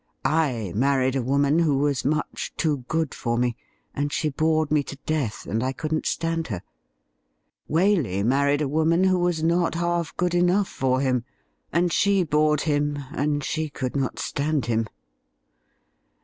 I married a woman who was much too good for me, and she bored me to death, and I couldn't stand her. Waley married a woman who was not half good enough for him, and she bored him, and she could not stand him.